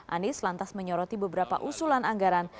anies lantas menyoroti beberapa usulan anggaran